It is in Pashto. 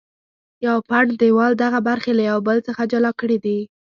یو پنډ دیوال دغه برخې له یو بل څخه جلا کړې دي.